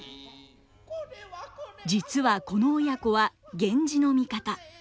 実はこの親子は源氏の味方。